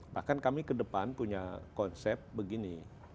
bahkan kami kedepan punya konsep begini